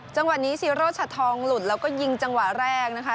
จังหวะนี้ซีโรชัดทองหลุดแล้วก็ยิงจังหวะแรกนะคะ